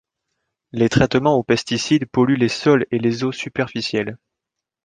Les traitements au pesticide polluent les sols et les eaux superficielles.